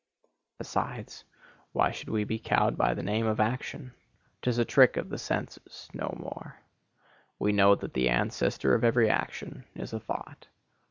Besides, why should we be cowed by the name of Action? 'Tis a trick of the senses,—no more. We know that the ancestor of every action is a thought.